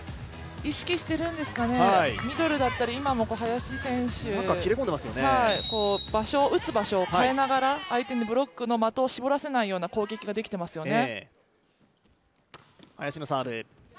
意識しているんですかね、ミドルだったら、今も林選手、打つ場所を変えながら、相手のブロックの的を絞らせないような攻撃ができていますよね。